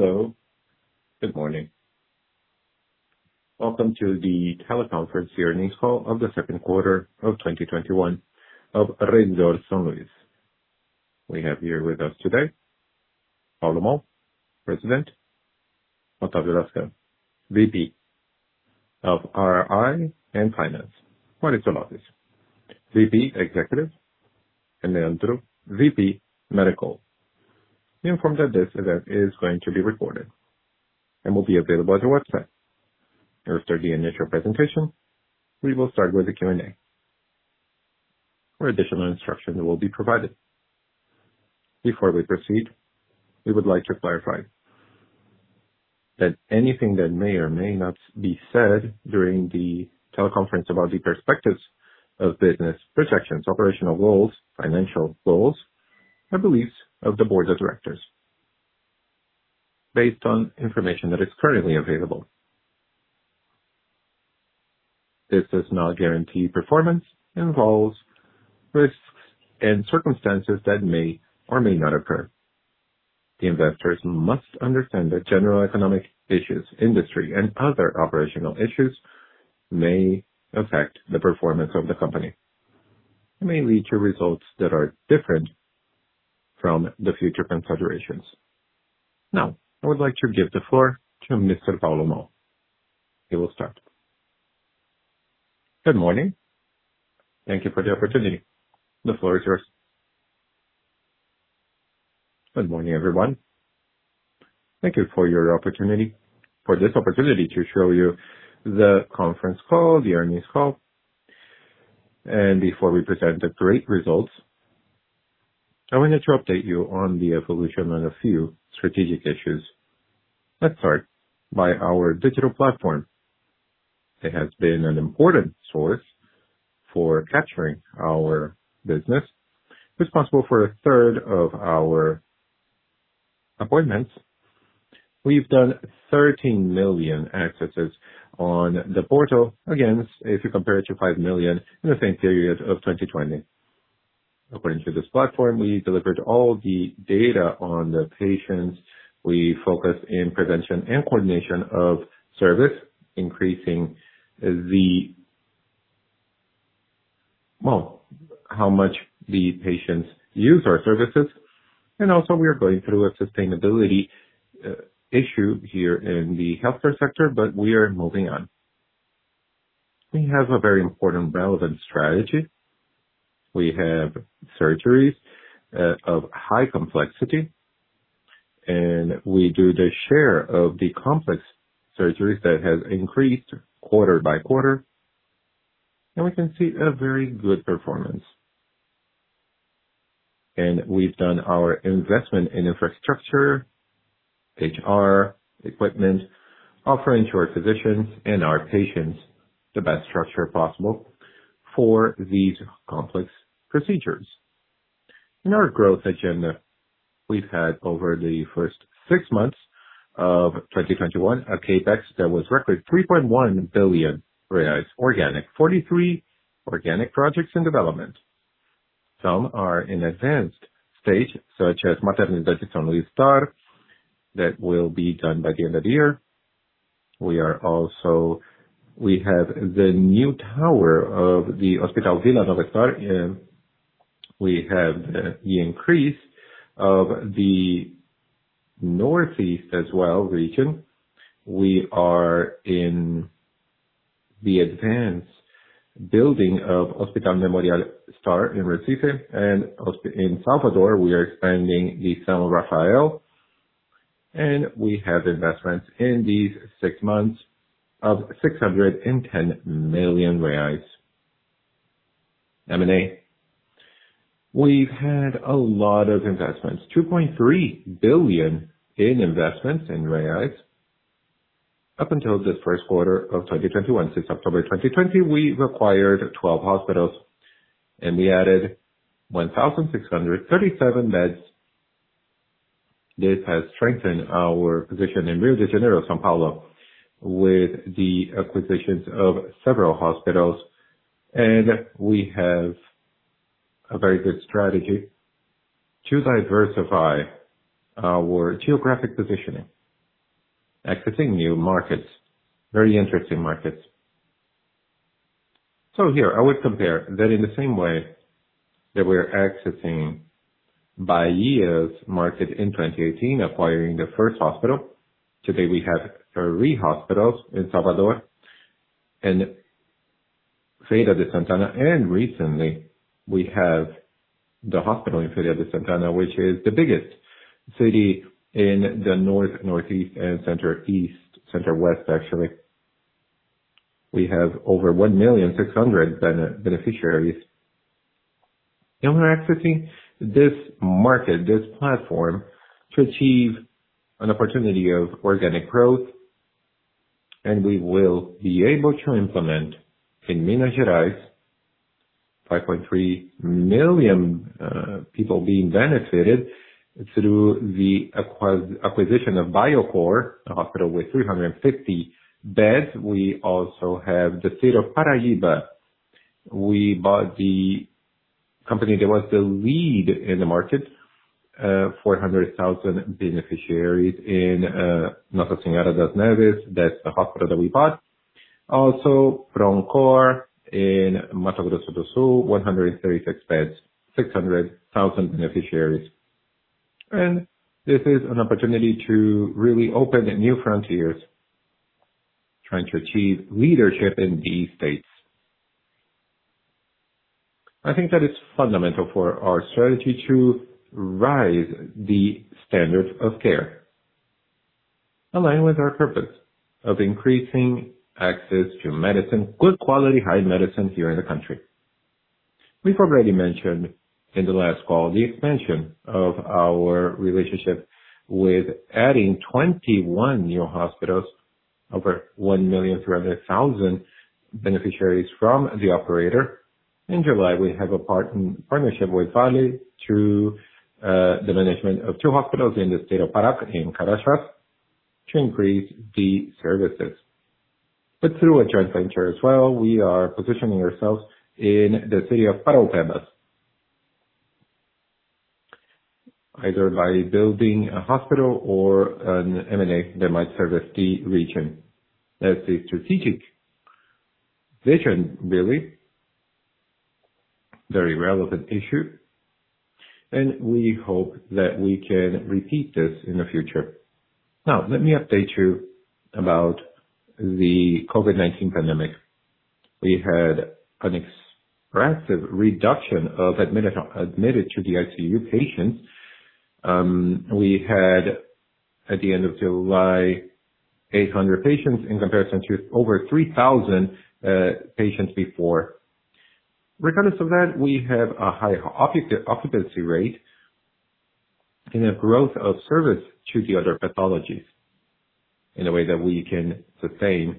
Hello. Good morning. Welcome to the teleconference earnings call of the second quarter of 2021 of Rede D'Or São Luiz. We have here with us today Paulo Moll, President. Otávio Lazcano, VP of RI and Finance. Maurício Lopes, VP Executive, and Leandro, VP Medical. Be informed that this event is going to be recorded and will be available at our website. After the initial presentation, we will start with the Q&A, where additional instructions will be provided. Before we proceed, we would like to clarify that anything that may or may not be said during the teleconference about the perspectives of business projections, operational goals, financial goals, and beliefs of the Board of Directors, based on information that is currently available. This does not guarantee performance, involves risks and circumstances that may or may not occur. The investors must understand that general economic issues, industry, and other operational issues may affect the performance of the company and may lead to results that are different from the future considerations. I would like to give the floor to Mr. Paulo Moll. He will start. Good morning. Thank you for the opportunity. The floor is yours. Good morning, everyone. Thank you for this opportunity to show you the conference call, the earnings call. Before we present the great results, I wanted to update you on the evolution on a few strategic issues. Let's start by our digital platform. It has been an important source for capturing our business, responsible for a third of our appointments. We've done 13 million accesses on the portal, against if you compare it to five million in the same period of 2020. According to this platform, we delivered all the data on the patients. We focus on prevention and coordination of service, increasing how much the patients use our services. Also we are going through a sustainability issue here in the healthcare sector, but we are moving on. We have a very important relevant strategy. We have surgeries of high complexity, we do the share of the complex surgeries that has increased quarter-by-quarter. We can see a very good performance. We've done our investment in infrastructure, HR, equipment, offering to our physicians and our patients the best structure possible for these complex procedures. In our growth agenda, we've had over the first six months of 2021, a CapEx that was roughly 3.1 billion organic. 43 organic projects in development. Some are in advanced stage, such as Maternidade São Luiz Star, that will be done by the end of the year. We have the new tower of the Hospital Vila Nova Star. We have the increase of the Northeast as well, region. We are in the advanced building of Hospital Memorial Star in Recife. In Salvador, we are expanding the São Rafael. We have investments in these six months of 610 million reais. M&A. We've had a lot of investments, 2.3 billion in investments. Up until this first quarter of 2021, since October 2020, we acquired 12 hospitals and we added 1,637 beds. This has strengthened our position in Rio de Janeiro, São Paulo with the acquisitions of several hospitals. We have a very good strategy to diversify our geographic positioning, accessing new markets, very interesting markets. Here I would compare that in the same way that we are accessing Bahia's market in 2018, acquiring the first hospital. Today we have three hospitals in Salvador and Feira de Santana. Recently we have the hospital in Feira de Santana, which is the biggest city in the North, Northeast, and Center East, Center West, actually. We have over 1,000,600 beneficiaries. We're accessing this market, this platform, to achieve an opportunity of organic growth. We will be able to implement in Minas Gerais 5.3 million people being benefited through the acquisition of Biocor, a hospital with 350 beds. We also have the state of Paraíba. We bought the company that was the lead in the market, 400,000 beneficiaries in Nossa Senhora das Neves. That's the hospital that we bought. Also, Proncor in Mato Grosso do Sul, 136 beds, 600,000 beneficiaries. This is an opportunity to really open new frontiers, trying to achieve leadership in these states. I think that it's fundamental for our strategy to rise the standards of care, align with our purpose of increasing access to good quality, high medicines here in the country. We've already mentioned in the last call the expansion of our relationship with adding 21 new hospitals, over 1,300,000 beneficiaries from the operator. In July, we have a partnership with Vale through the management of two hospitals in the state of Pará, in Carajás, to increase the services. Through a joint venture as well, we are positioning ourselves in the city of São Paulo, either by building a hospital or an M&A that might service the region. That's a strategic vision, really, very relevant issue, and we hope that we can repeat this in the future. Let me update you about the COVID-19 pandemic. We had an expressive reduction of admitted to the ICU patients. We had, at the end of July, 800 patients in comparison to over 3,000 patients before. Regardless of that, we have a high occupancy rate and a growth of service to the other pathologies in a way that we can sustain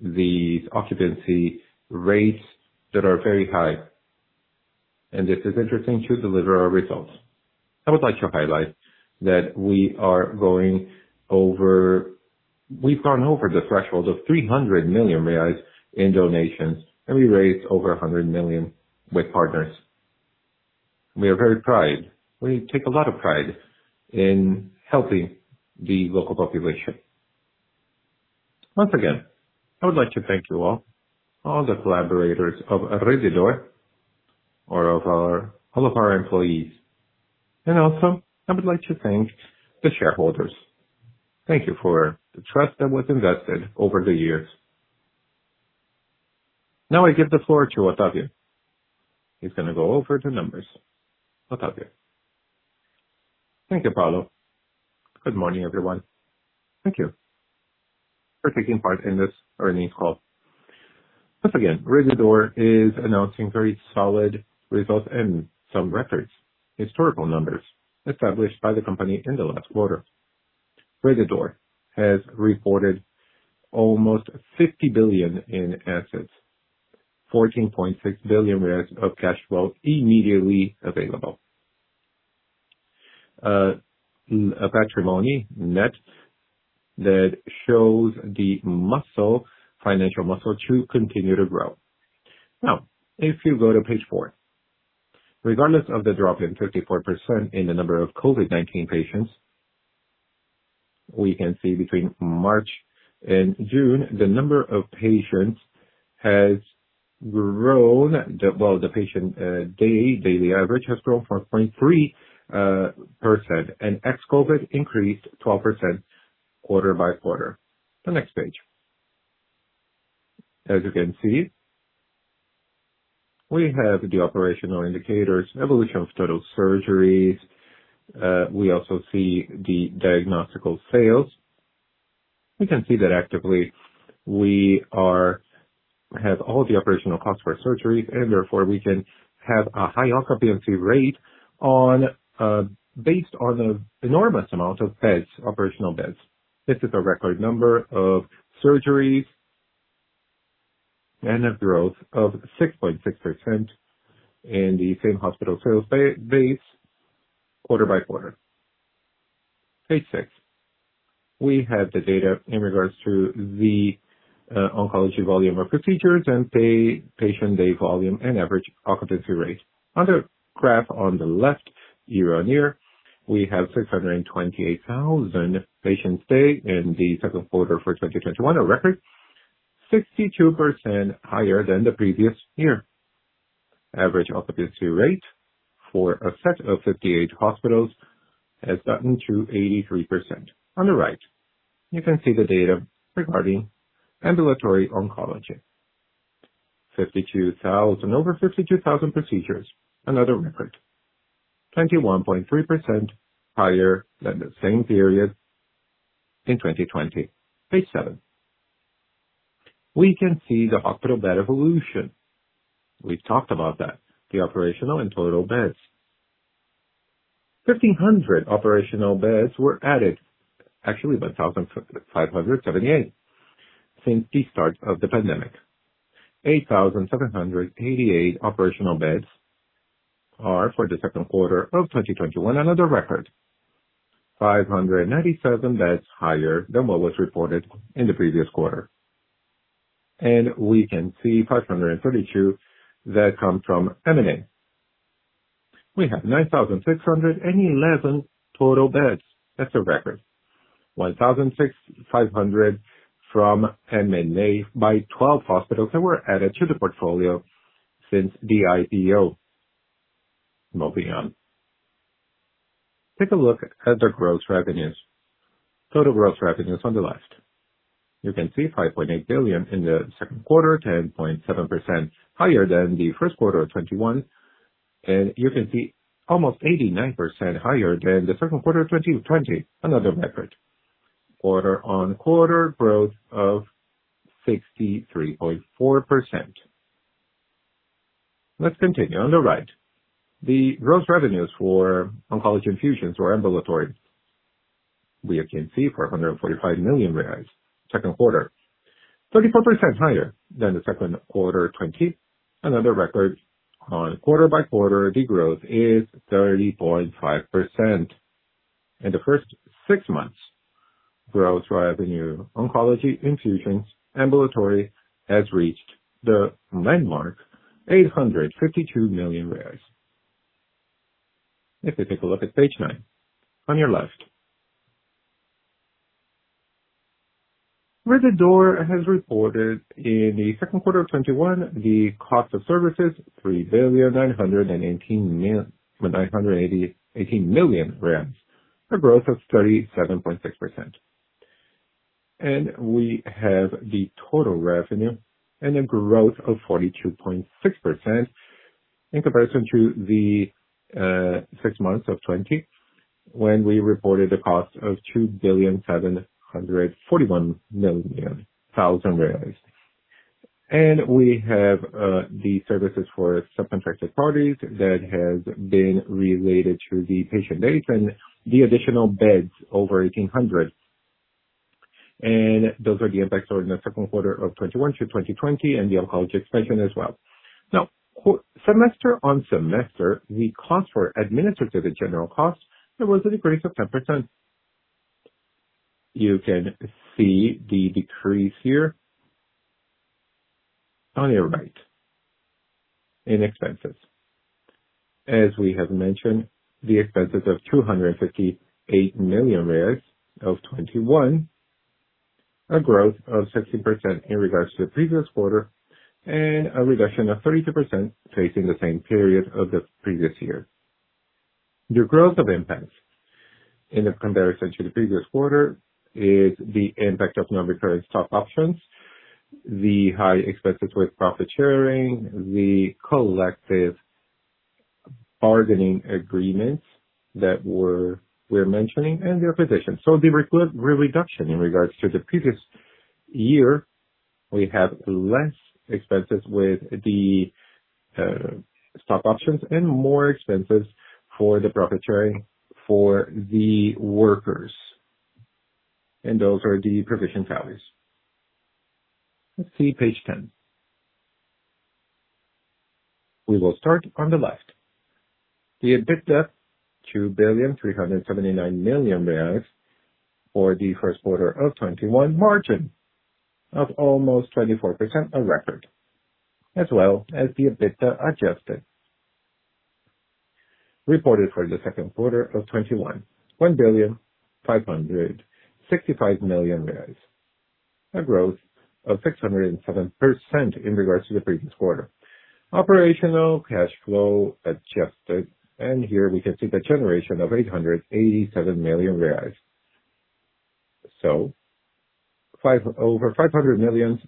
these occupancy rates that are very high. This is interesting to deliver our results. I would like to highlight that we've gone over the threshold of 300 million reais in donations, and we raised over 100 million with partners. We are very proud. We take a lot of pride in helping the local population. Once again, I would like to thank you all the collaborators of Rede D'Or, all of our employees. Also, I would like to thank the shareholders. Thank you for the trust that was invested over the years. I give the floor to Otávio. He's going to go over the numbers. Otávio. Thank you, Paulo. Good morning, everyone. Thank you for taking part in this earnings call. Once again, Rede D'Or is announcing very solid results and some records, historical numbers established by the company in the last quarter. Rede D'Or has reported almost 50 billion in assets, 14.6 billion of cash flow immediately available. A patrimony net that shows the financial muscle to continue to grow. If you go to page four. Regardless of the drop in 34% in the number of COVID-19 patients, we can see between March and June, the number of patients has grown. Well, the patient daily average has grown 4.3%, and ex-COVID increased 12% quarter-by-quarter. The next page. As you can see, we have the operational indicators, evolution of total surgeries. We also see the diagnostic sales. We can see that actively, we have all the operational costs for surgeries, and therefore, we can have a high occupancy rate based on the enormous amount of operational beds. This is a record number of surgeries and a growth of 6.6% in the same hospital sales base quarter-by-quarter. Page six. We have the data in regards to the oncology volume of procedures and patient day volume and average occupancy rate. Other graph on the left, year-on-year, we have 628,000 patients stay in the second quarter for 2021, a record 62% higher than the previous year. Average occupancy rate for a set of 58 hospitals has gotten to 83%. On the right, you can see the data regarding ambulatory oncology. Over 52,000 procedures, another record, 21.3% higher than the same period in 2020. Page seven. We can see the hospital bed evolution. We've talked about that, the operational and total beds. 1,500 operational beds were added, actually by 1,578 since the start of the pandemic. 8,788 operational beds are for the second quarter of 2021, another record, 597 beds higher than what was reported in the previous quarter. We can see 532 that come from M&A. We have 9,611 total beds. That's a record. 1,600 from M&A by 12 hospitals that were added to the portfolio since the IPO. Moving on. Take a look at the gross revenues. Total gross revenues on the left. You can see 5.8 billion in the second quarter, 10.7% higher than the first quarter of 2021, and you can see almost 89% higher than the second quarter of 2020, another record. Quarter-on-quarter growth of 63.4%. Let's continue. On the right, the gross revenues for oncology infusions or ambulatory. We can see 445 million reais second quarter, 34% higher than the second quarter 2020. Another record on quarter-by-quarter, the growth is 30.5%. In the first six months, gross revenue, oncology infusions ambulatory has reached the landmark 852 million reais. Let me take a look at page nine. On your left. Rede D'Or has reported in the second quarter of 2021, the cost of services BRL 3,918,000,000, a growth of 37.6%. We have the total revenue and a growth of 42.6% in comparison to the six months of 2020 when we reported a cost of 2,741,000,000 reais. We have the services for subcontracted parties that has been related to the patient base and the additional beds over 1,800. Those are the impacts on the second quarter of 2021 to 2020 and the oncology expansion as well. Semester-on-semester, the cost for administrative and general costs, there was a decrease of 10%. You can see the decrease here on your right in expenses. As we have mentioned, the expenses of 258 million of 2021, a growth of 16% in regards to the previous quarter and a reduction of 32% facing the same period of the previous year. The growth of impact in comparison to the previous quarter is the impact of non-recurring stock options, the high expenses with profit sharing, the collective bargaining agreements that we're mentioning and their positions. The reduction in regards to the previous year, we have less expenses with the stock options and more expenses for the profit sharing for the workers. Those are the provision values. Let's see page ten. We will start on the left. The EBITDA, 2,379,000,000 reais for the first quarter of 2021. Margin of almost 24%, a record. As well as the EBITDA adjusted. Reported for the second quarter of 2021, 1,565,000,000 reais, a growth of 607% in regards to the previous quarter. Operational cash flow adjusted, here we can see the generation of 887 million reais. Over 500 million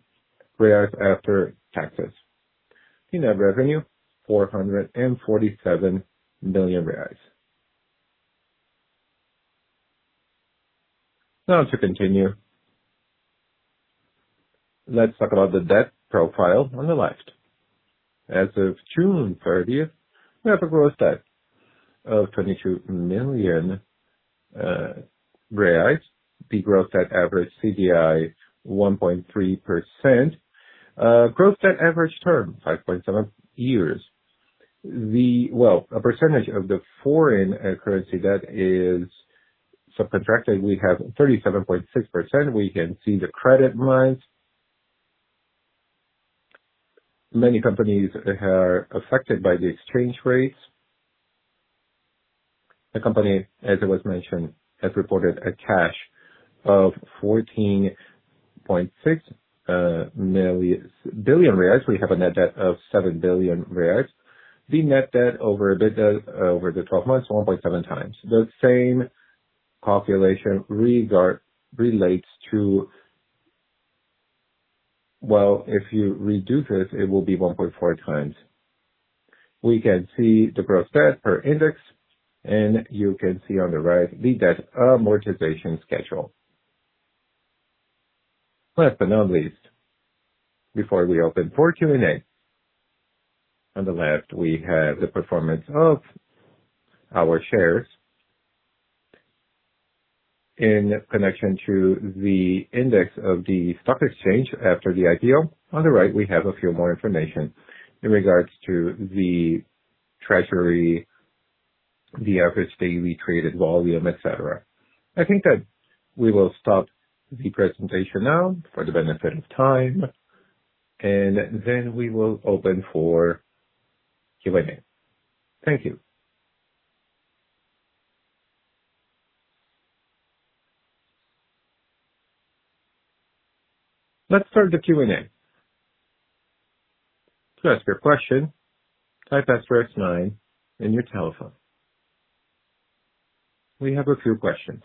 reais after taxes. Net revenue, 447 million reais. Now to continue. Let's talk about the debt profile on the left. As of June 30th, we have a gross debt of 22 million. The gross debt average CDI 1.3%. Gross debt average term, 5.7 years. A percentage of the foreign currency that is subcontracted, we have 37.6%. We can see the credit lines. Many companies are affected by the exchange rates. The company, as it was mentioned, has reported a cash of 14.6 billion reais. We have a net debt of 7 billion reais. The net debt over the 12 months, 1.7x. The same calculation relates to Well, if you reduce it will be 1.4x. We can see the gross debt per index, and you can see on the right the debt amortization schedule. Last but not least, before we open for Q&A. On the left, we have the performance of our shares in connection to the index of the stock exchange after the IPO. On the right, we have a few more information in regards to the treasury. The average daily traded volume, et cetera. I think that we will stop the presentation now for the benefit of time, and then we will open for Q&A. Thank you. Let's start the Q&A. To ask your question, type asterisk nine in your telephone. We have a few questions.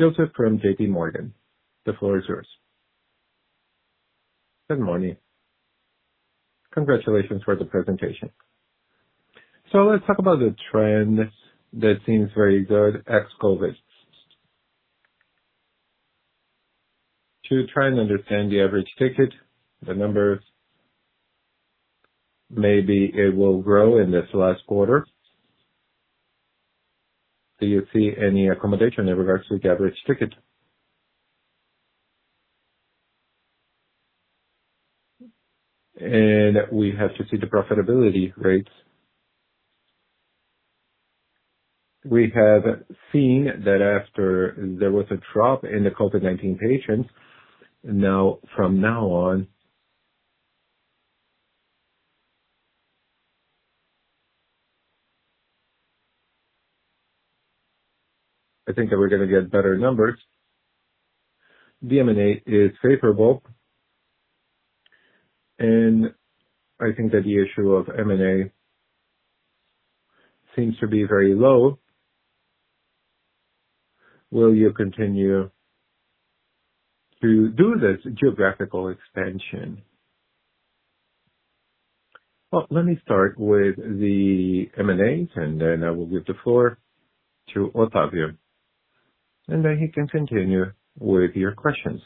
Dilcio from J.P. Morgan, the floor is yours. Good morning. Congratulations for the presentation. Let's talk about the trend that seems very good ex-COVID. To try and understand the average ticket, the numbers, maybe it will grow in this last quarter. Do you see any accommodation in regards to the average ticket? We have to see the profitability rates. We have seen that after there was a drop in the COVID-19 patients. From now on, I think that we're going to get better numbers. The M&A is favorable. I think that the issue of M&A seems to be very low. Will you continue to do this geographical expansion? Well, let me start with the M&As, and then I will give the floor to Otávio, and then he can continue with your questions.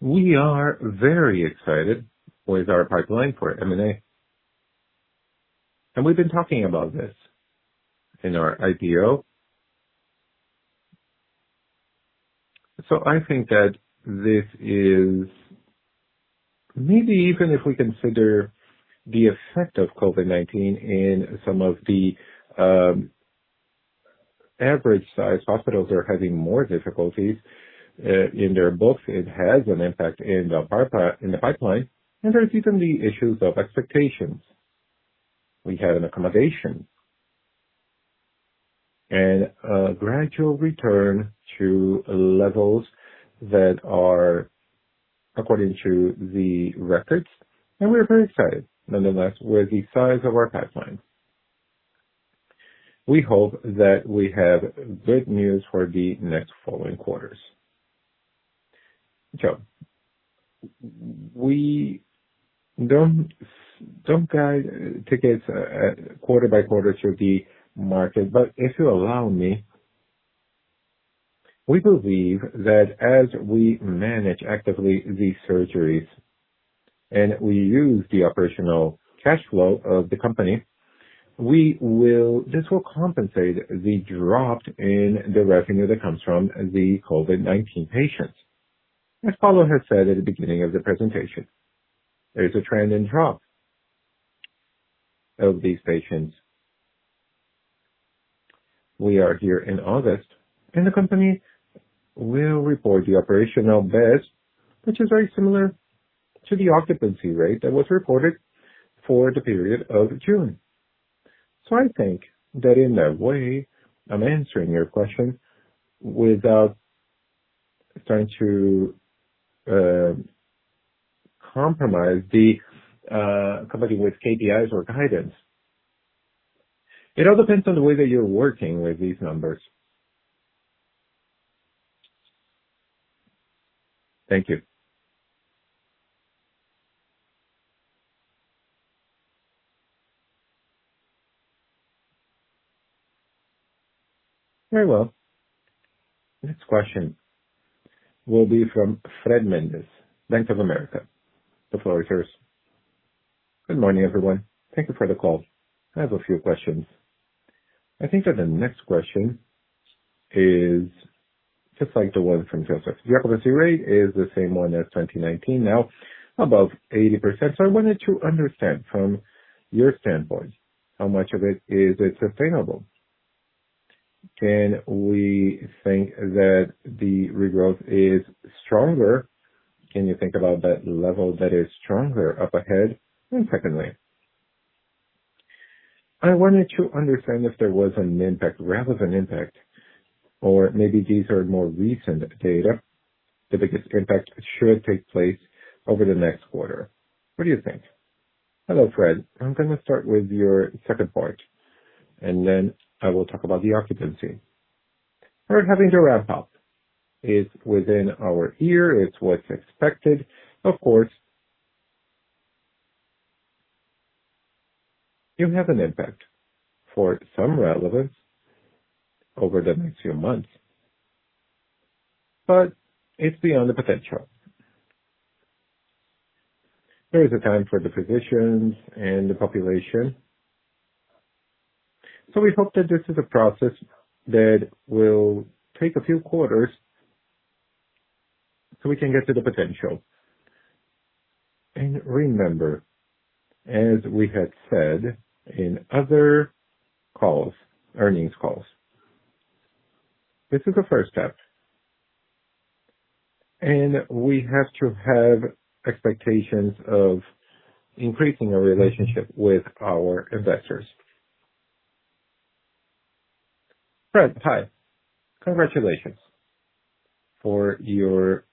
We are very excited with our pipeline for M&A. We've been talking about this in our IPO. I think that this is maybe even if we consider the effect of COVID-19 in some of the average-sized hospitals are having more difficulties, in their books, it has an impact in the pipeline. There's even the issues of expectations. We had an accommodation and a gradual return to levels that are according to the records, and we are very excited, nonetheless, with the size of our pipeline. We hope that we have good news for the next following quarters. We don't guide tickets quarter-by-quarter through the market. If you allow me, we believe that as we manage actively the surgeries and we use the operational cash flow of the company, this will compensate the drop in the revenue that comes from the COVID-19 patients. As Paulo has said at the beginning of the presentation, there is a trend in drop of these patients. We are here in August, and the company will report the operational beds, which is very similar to the occupancy rate that was reported for the period of June. I think that in that way, I'm answering your question without trying to compromise the company with KPIs or guidance. It all depends on the way that you're working with these numbers. Thank you. Very well. Next question will be from Fred Mendes, Bank of America. The floor is yours. Good morning, everyone. Thank you for the call. I have a few questions. I think that the next question is just like the one from Dilcio. The occupancy rate is the same one as 2019, now above 80%. I wanted to understand from your standpoint, how much of it is sustainable? Can we think that the regrowth is stronger? Can you think about that level that is stronger up ahead? Secondly, I wanted to understand if there was an impact, relevant impact, or maybe these are more recent data. The biggest impact should take place over the next quarter. What do you think? Hello, Fred. I'm going to start with your second part, and then I will talk about the occupancy. Fred, having to ramp-up is within our ear. It's what's expected. Of course, you have an impact for some relevance over the next few months, but it's beyond the potential. There is a time for the physicians and the population. We hope that this is a process that will take a few quarters so we can get to the potential. Remember, as we had said in other earnings calls, this is the first step, and we have to have expectations of increasing our relationship with our investors. Fred, hi. Congratulations for your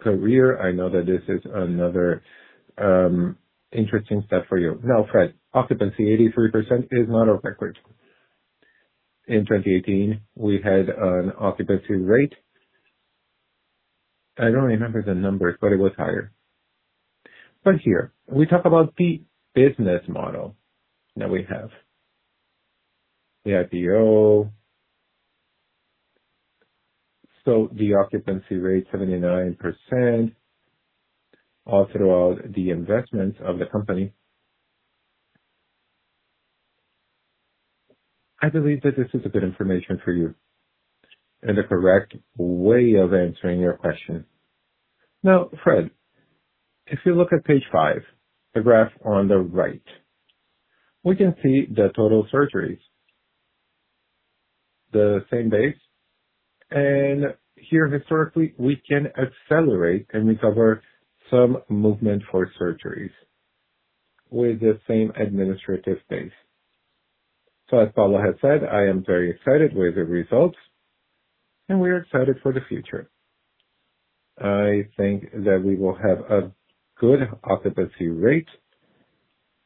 career. I know that this is another interesting step for you. Fred, occupancy 83% is not our record. In 2018, we had an occupancy rate, I don't remember the numbers, but it was higher. Here, we talk about the business model that we have. We have the ICU. The occupancy rate, 79%, all throughout the investment of the company. I believe that this is a good information for you and the correct way of answering your question. Now, Fred, if you look at page five, the graph on the right, we can see the total surgeries, the same base. Here, historically, we can accelerate and recover some movement for surgeries with the same administrative base. As Paulo had said, I am very excited with the results, and we are excited for the future. I think that we will have a good occupancy rate,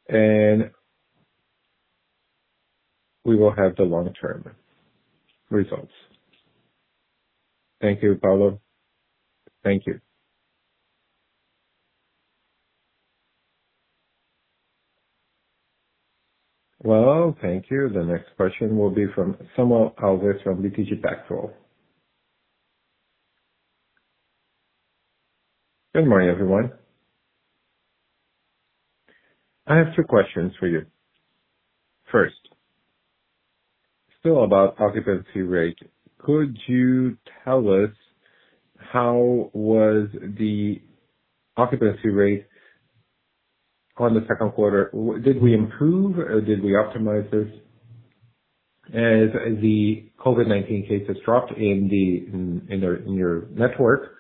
and we will have the long-term results. Thank you, Paulo. Thank you. Well, thank you. The next question will be from Samuel Alves from BTG Pactual. Good morning, everyone. I have two questions for you. First, still about occupancy rate, could you tell us how was the occupancy rate on the second quarter? Did we improve or did we optimize this as the COVID-19 cases dropped in your network?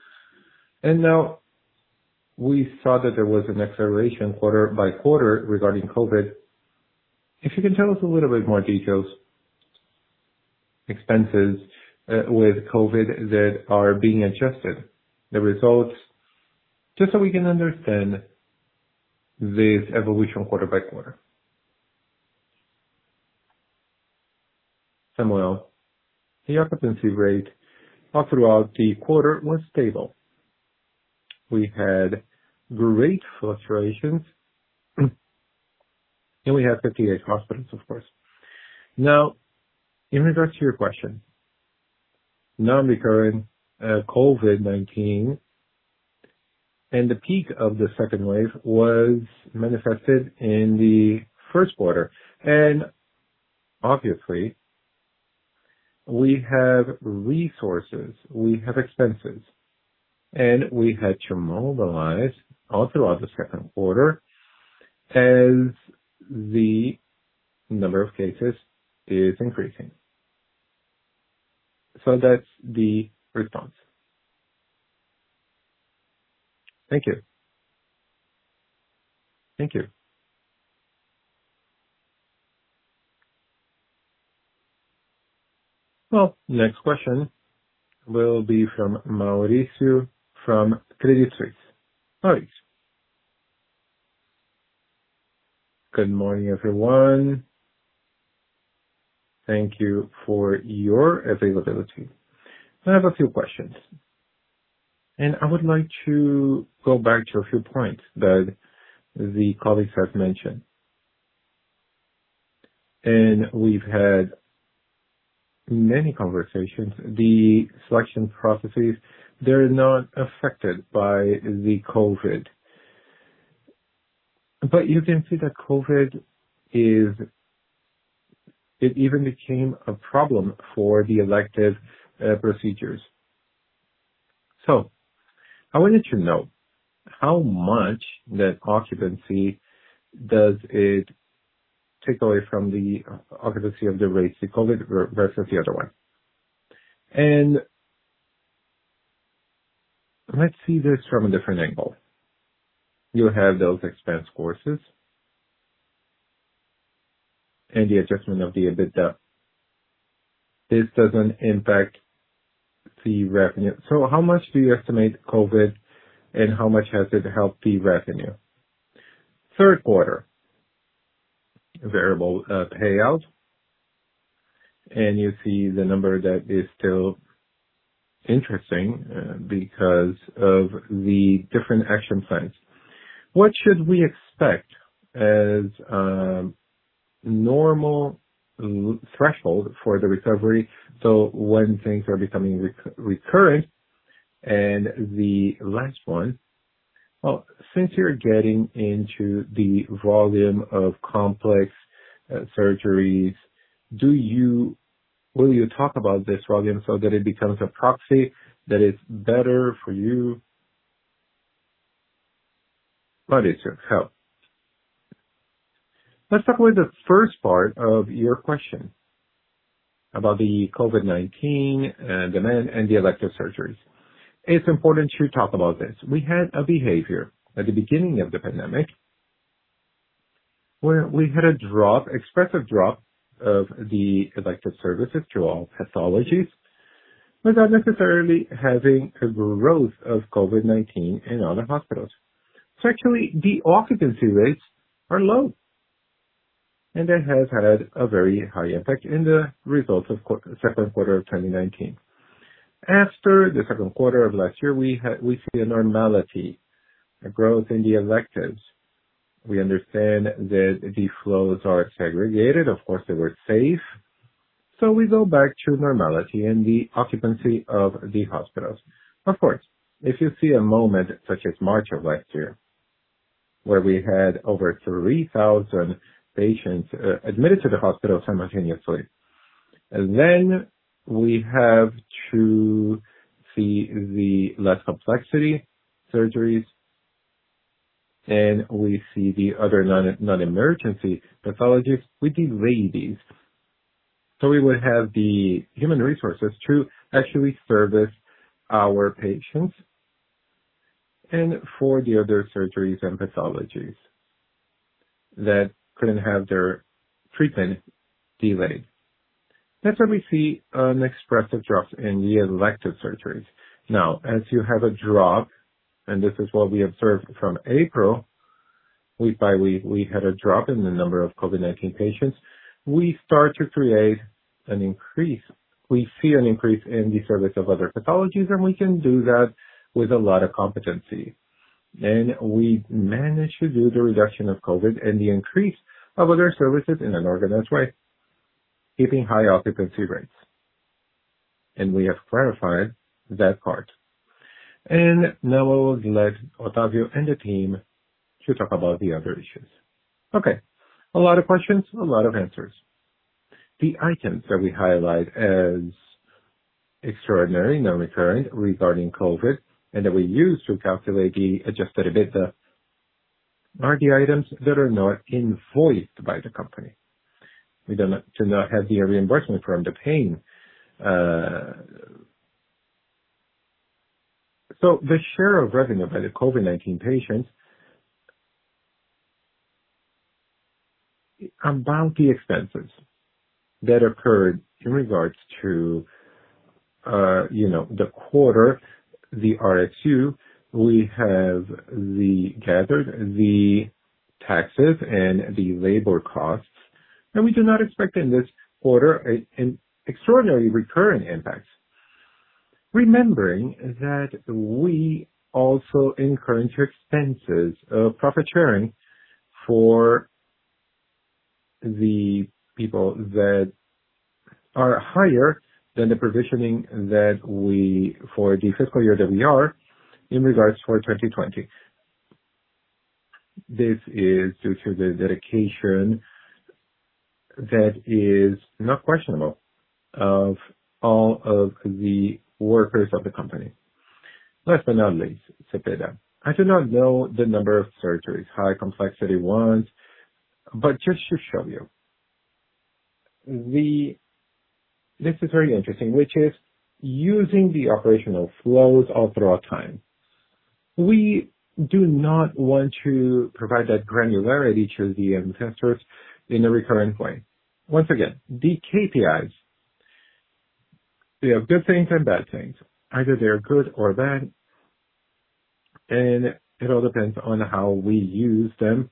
Now we saw that there was an acceleration quarter-by-quarter regarding COVID-19. If you can tell us a little bit more details, expenses with COVID-19 that are being adjusted, the results, just so we can understand this evolution quarter-by-quarter. Samuel, the occupancy rate all throughout the quarter was stable. We had great fluctuations, and we have 58 hospitals, of course. Now, in regards to your question, non-recurring COVID-19 and the peak of the second wave was manifested in the first quarter. Obviously, we have resources, we have expenses, and we had to mobilize all throughout the second quarter as the number of cases is increasing. That's the response. Thank you. Thank you. Next question will be from Mauricio from Credit Suisse. Mauricio. Good morning, everyone. Thank you for your availability. I have a few questions. I would like to go back to a few points that the colleagues have mentioned. We've had many conversations. The selection processes, they're not affected by the COVID. You can see that COVID, it even became a problem for the elective procedures. I wanted to know how much that occupancy does it take away from the occupancy of the rates of COVID versus the other one. Let's see this from a different angle. You have those expense courses and the adjustment of the EBITDA. This doesn't impact the revenue. How much do you estimate COVID, and how much has it helped the revenue? Third quarter. Variable payout, you see the number that is still interesting because of the different action plans. What should we expect as a normal threshold for the recovery? When things are becoming recurrent, well, since you're getting into the volume of complex surgeries, will you talk about this volume so that it becomes a proxy that is better for you? [Ready, sir. Go.] Let's talk about the first part of your question about the COVID-19 demand and the elective surgeries. It's important to talk about this. We had a behavior at the beginning of the pandemic, where we had an expressive drop of the elective services through all pathologies, without necessarily having a growth of COVID-19 in all the hospitals. Actually, the occupancy rates are low, and that has had a very high effect in the results of second quarter of 2019. After the second quarter of last year, we see a normality, a growth in the electives. We understand that the flows are segregated. Of course, they were safe. We go back to normality in the occupancy of the hospitals. Of course, if you see a moment such as March of last year, where we had over 3,000 patients admitted to the hospital simultaneously, then we have to see the less complexity surgeries, and we see the other non-emergency pathologies. We delay these, so we would have the human resources to actually service our patients and for the other surgeries and pathologies that couldn't have their treatment delayed. That's why we see an expressive drop in the elective surgeries. Now, as you have a drop, and this is what we observed from April, week by week, we had a drop in the number of COVID-19 patients. We start to create an increase. We see an increase in the service of other pathologies, and we can do that with a lot of competency. We managed to do the reduction of COVID and the increase of other services in an organized way, keeping high occupancy rates. We have clarified that part. Now I will let Otávio and the team to talk about the other issues. Okay. A lot of questions, a lot of answers. The items that we highlight as extraordinary, non-recurring regarding COVID, and that we use to calculate the adjusted EBITDA are the items that are not invoiced by the company. We do not have the reimbursement from the paying. The share of revenue by the COVID-19 patients unbound the expenses that occurred in regards to the quarter, the RSU. We have gathered the taxes and the labor costs, and we do not expect in this quarter an extraordinary recurring impact. Remembering that we also incurred expenses of profit sharing for the people that are higher than the provisioning that we, for the fiscal year that we are in regards for 2020. This is due to the dedication that is not questionable of all of the workers of the company. Last but not least, Cepeda. I do not know the number of surgeries, high complexity ones. Just to show you. This is very interesting, which is using the operational flows all throughout time. We do not want to provide that granularity to the investors in a recurring way. Once again, the KPIs, they have good things and bad things. Either they're good or bad, and it all depends on how we use them.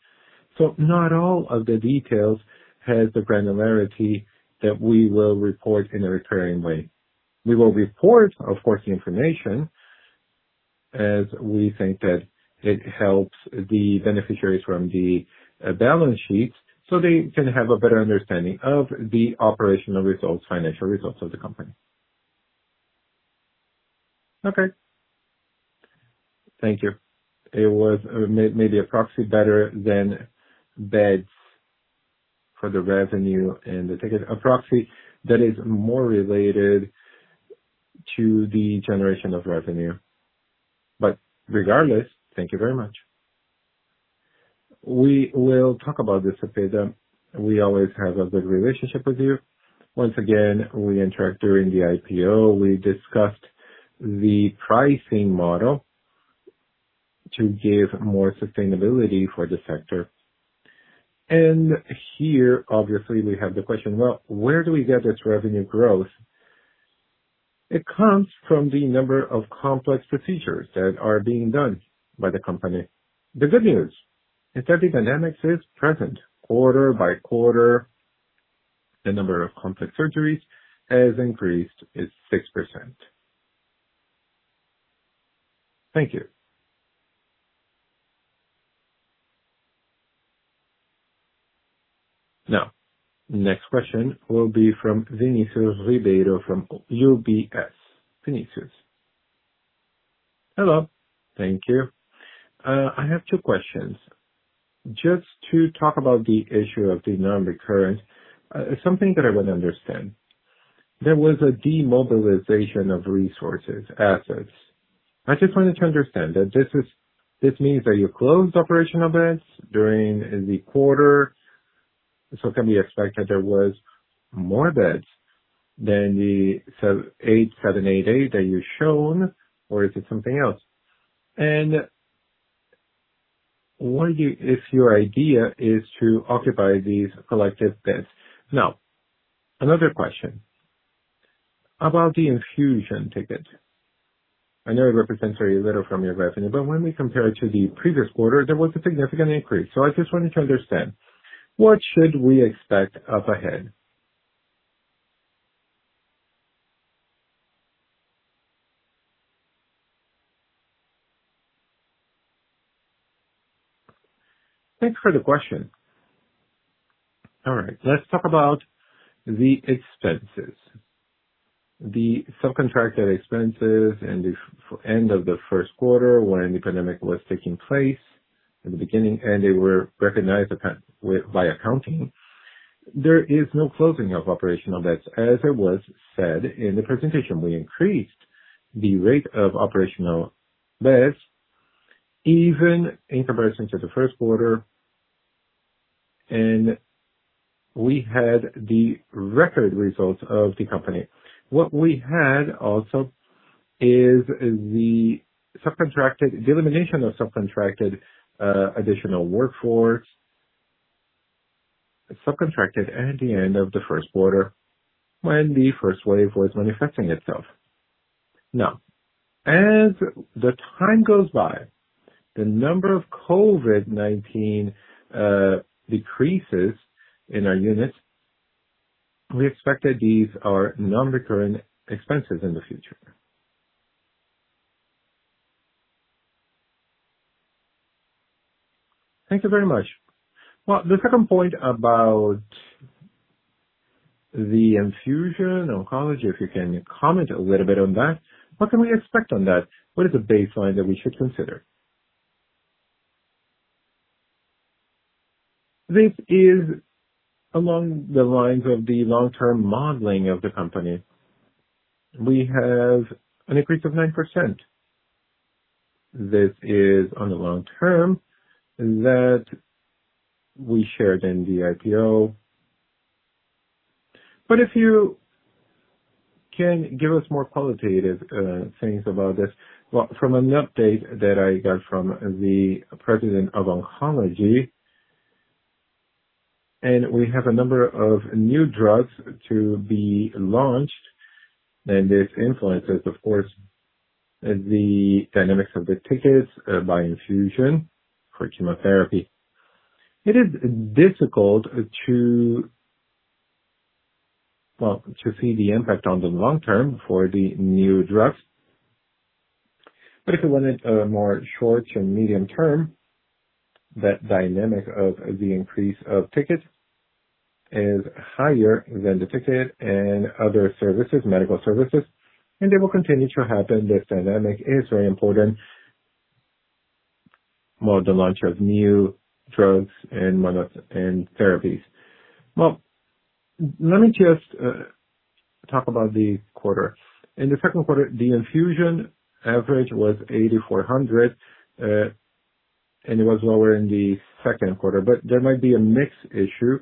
Not all of the details has the granularity that we will report in a recurring way. We will report, of course, the information as we think that it helps the beneficiaries from the balance sheets, so they can have a better understanding of the operational results, financial results of the company. Okay. Thank you. It was maybe a proxy better than beds for the revenue and the ticket. A proxy that is more related to the generation of revenue. Regardless, thank you very much. We will talk about this, Cepeda. We always have a good relationship with you. Once again, we interact during the IPO. We discussed the pricing model to give more sustainability for the sector. Here, obviously, we have the question: Well, where do we get this revenue growth? It comes from the number of complex procedures that are being done by the company. The good news, epidemic is present quarter-by-quarter. The number of complex surgeries has increased. It's 6%. Thank you. Next question will be from Vinicius Ribeiro from UBS. Vinicius. Hello. Thank you. I have two questions. Just to talk about the issue of the non-recurrent, something that I want to understand. There was a demobilization of resources, assets. I just wanted to understand. This means that you closed operational beds during the quarter, can we expect that there was more beds than the 788 that you've shown, or is it something else? What if your idea is to occupy these collected beds? Another question. About the infusion ticket. I know it represents a little from your revenue, when we compare it to the previous quarter, there was a significant increase. I just wanted to understand, what should we expect up ahead? Thanks for the question. All right. Let's talk about the expenses. The subcontracted expenses and the end of the first quarter, when the pandemic was taking place in the beginning, and they were recognized via accounting. There is no closing of operational beds. As it was said in the presentation, we increased the rate of operational beds even in comparison to the first quarter, and we had the record results of the company. What we had also is the elimination of subcontracted additional workforce, subcontracted at the end of the first quarter, when the first wave was manifesting itself. Now, as the time goes by, the number of COVID-19 decreases in our units. We expect that these are non-recurrent expenses in the future. Thank you very much. Well, the second point about the infusion oncology, if you can comment a little bit on that. What can we expect on that? What is the baseline that we should consider? This is along the lines of the long-term modeling of the company. We have an increase of 9%. This is on the long term that we shared in the IPO. If you can give us more qualitative things about this. Well, from an update that I got from the president of oncology, and we have a number of new drugs to be launched, and this influences, of course, the dynamics of the tickets by infusion for chemotherapy. It is difficult to see the impact on the long term for the new drugs. If you wanted a more short-term, medium-term, that dynamic of the increase of tickets is higher than the ticket and other services, medical services, and they will continue to happen. This dynamic is very important for the launch of new drugs and therapies. Well, let me just talk about the quarter. In the second quarter, the infusion average was 8,400. It was lower in the second quarter, there might be a mix issue.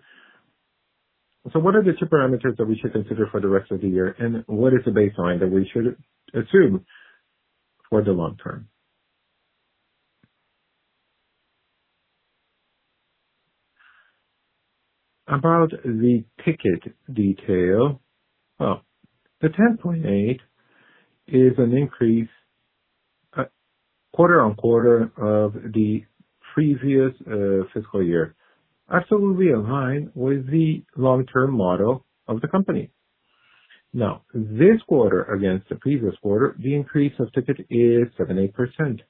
What are the two parameters that we should consider for the rest of the year, what is the baseline that we should assume for the long term? About the ticket detail. Well, the 10.8 is an increase quarter-on-quarter of the previous fiscal year. Absolutely aligned with the long-term model of the company. Now, this quarter against the previous quarter, the increase of ticket is 7.8%.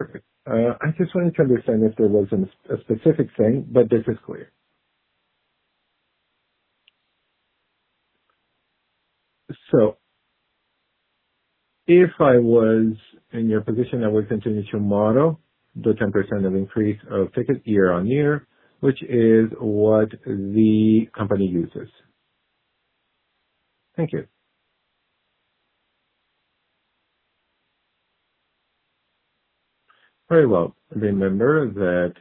Perfect. I just wanted to understand if there was a specific thing, this is clear. If I was in your position, I would continue to model the 10% of increase of tickets year-on-year, which is what the company uses. Thank you. Very well. Remember that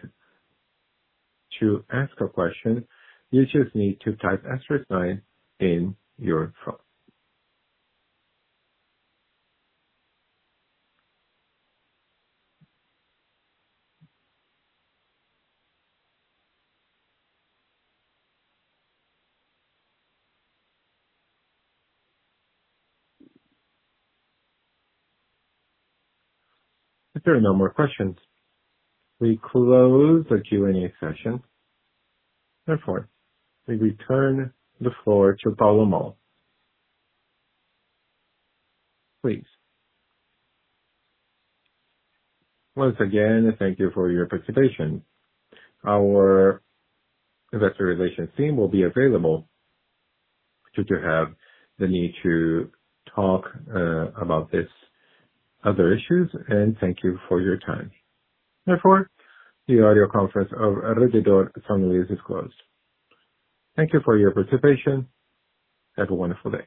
to ask a question, you just need to type asterisk nine in your phone. If there are no more questions, we close the Q&A session. Therefore, we return the floor to Paulo Moll. Please. Once again, thank you for your participation. Our investor relations team will be available should you have the need to talk about these other issues, and thank you for your time. Therefore, the audio conference of Rede D'Or São Luiz is closed. Thank you for your participation. Have a wonderful day